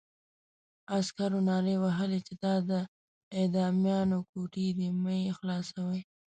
عسکرو نارې وهلې چې دا د اعدامیانو کوټې دي مه یې خلاصوئ.